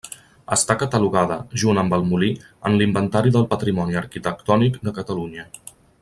Està catalogada, junt amb el molí, en l'Inventari del Patrimoni Arquitectònic de Catalunya.